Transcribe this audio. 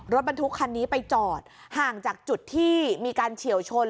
รถบรรทุกคันนี้ไปจอดห่างจากจุดที่มีการเฉียวชน